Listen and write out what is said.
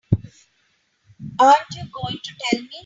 Aren't you going to tell me?